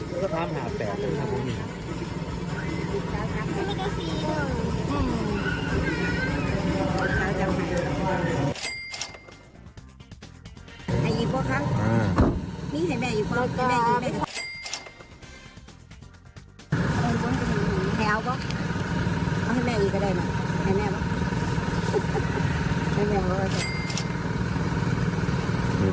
ก็ความหนาแปลกกันทั้งความหิง